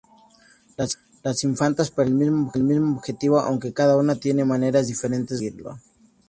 Las infantas persiguen el mismo objetivo, aunque cada una tiene maneras diferentes de conseguirlo.